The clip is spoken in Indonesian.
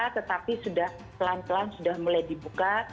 tetapi sudah pelan pelan sudah mulai dibuka